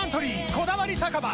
「こだわり酒場